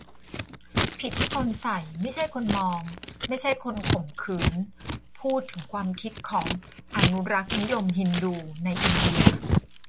ผิดที่คนใส่ ไม่ใช่คนมอง ไม่ใช่คนข่มขืน - พูดถึงความคิดของ อนุรักษ์นิยมฮินดู ในอินเดีย